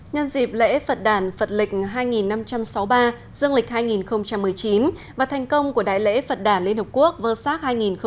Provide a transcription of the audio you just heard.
nhân dịp lễ phật đàn phật lịch hai năm trăm sáu mươi ba dương lịch hai nghìn một mươi chín và thành công của đại lễ phật đàn liên hợp quốc vơ sát hai nghìn một mươi chín